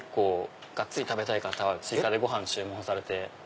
がっつり食べたい方は追加でご飯注文されて。